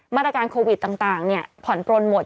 มาตรการโควิดต่างผ่อนปลนหมด